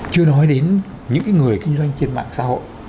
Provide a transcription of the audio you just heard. chưa nói đến những người kinh doanh trên mạng xã hội